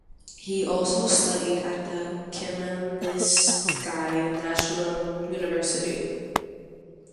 He also studied at the Khmelnytskyi National University.